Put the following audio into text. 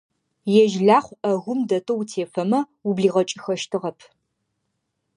Ежь Лахъу Ӏэгум дэтэу утефэмэ, ублигъэкӀыхэщтыгъэп.